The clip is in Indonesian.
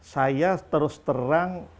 saya terus terang